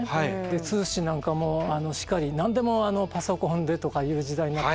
で通信なんかもしかり何でもパソコンでとかいう時代になってくると